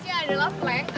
tiga dua satu tiga